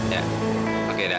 ya oke dah